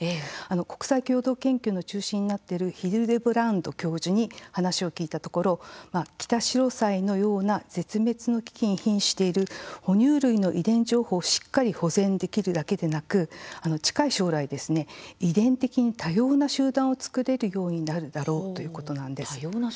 国際共同研究の中心になっているヒルデブラント教授に話を聞いたところキタシロサイのような絶滅の危機にひんしている哺乳類の遺伝情報をしっかり保全できるだけでなく近い将来、遺伝的に多様な集団を作れるようになるだろうということなんです。